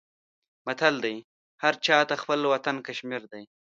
متل دی: هر چاته خپل وطن کشمیر دی.